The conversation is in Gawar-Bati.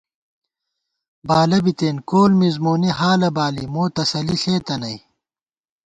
بالہ بِتېن کول مِز مونی حالہ بالی مو تسلی ݪېتہ نئ